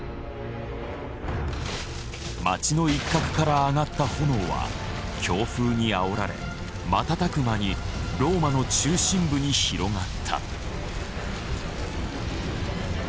街の一角からあがった炎は強風にあおられ瞬く間にローマの中心部に広がった。